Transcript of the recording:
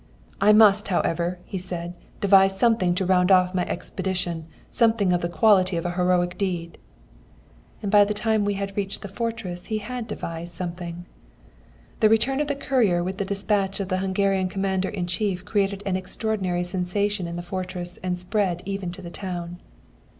"'I must, however,' said he, 'devise something to round off my expedition, something of the quality of a heroic deed.' "And by the time we reached the fortress he had devised something. "The return of the courier with the despatch of the Hungarian Commander in chief created an extraordinary sensation in the fortress and spread even to the town.